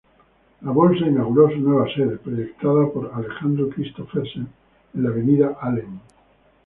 La Bolsa inauguró su nueva sede, proyectada por Alejandro Christophersen, en la Avenida Alem.